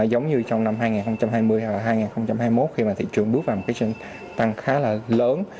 giống như trong năm hai nghìn hai mươi hay là hai nghìn hai mươi một khi mà thị trường bước vào một cái sự tăng khá là lớn